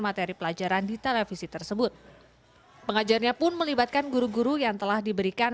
materi pelajaran di televisi tersebut pengajarnya pun melibatkan guru guru yang telah diberikan